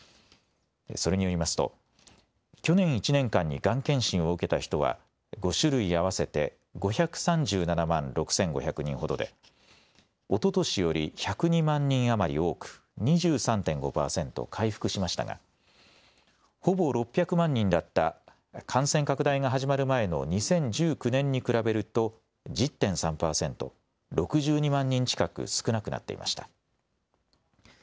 それによりますと去年１年間にがん検診を受けた人は５種類合わせて５３７万６５００人ほどでおととしより１０２万人余り多く２３．５％回復しましたがほぼ６００万人だった感染拡大が始まる前の２０１９年に比べると１０．３％、６２万人近く少なくなっていました。